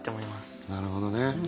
なるほどね。